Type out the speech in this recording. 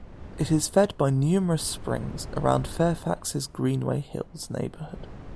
It is fed by numerous springs around Fairfax's Greenway Hills neighborhood.